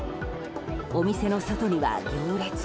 お店の外には行列。